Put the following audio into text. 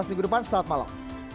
sebelumnya selamat malam